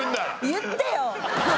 言ってよ！